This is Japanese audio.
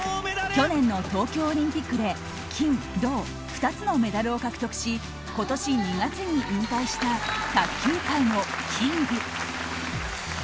去年の東京オリンピックで金銅２つのメダルを獲得し今年２月に引退した卓球界のキング。